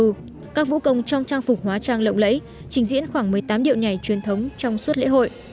một cộng đồng trong trang phục hóa trang lộng lẫy trình diễn khoảng một mươi tám điệu nhảy truyền thống trong suốt lễ hội